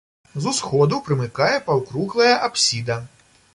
З усходу прымыкае паўкруглая апсіда.